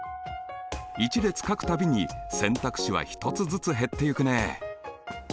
１列書く度に選択肢は１つずつ減っていくね。